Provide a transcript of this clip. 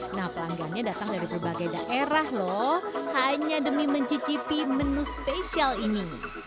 nah pelanggannya datang dari berbagai daerah loh hanya demi mencicipi menu spesial ini